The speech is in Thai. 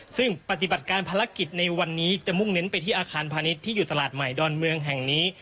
ซึ่งปฏิบัติการภารกิจในวันนี้จะมุ่งเน้นไปที่อาคารพาณิชย์ที่อยู่ตลาดใหม่ดอนเมืองแห่งนี้